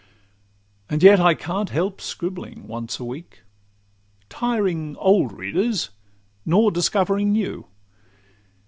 And yet I can't help scribbling once a week, Tiring old readers, nor discovering new.